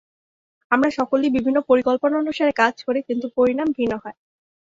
আমরা সকলেই বিভিন্ন পরিকল্পনা অনুসারে কাজ করি, কিন্তু পরিণাম ভিন্ন হয়।